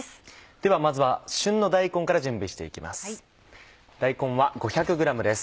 ではまずは旬の大根から準備して行きます。